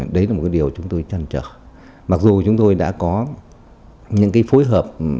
đấy là một điều chúng tôi chân trở